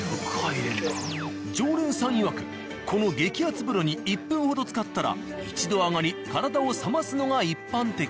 常連さんいわくこの激熱風呂に１分ほど浸かったら一度上がり体を冷ますのが一般的。